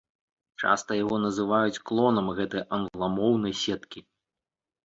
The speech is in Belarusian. Часта яго называюць клонам гэтай англамоўнай сеткі.